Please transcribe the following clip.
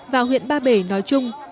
và huyện ba bể nói chung